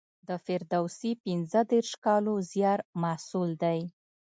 د فردوسي پنځه دېرش کالو زیار محصول دی.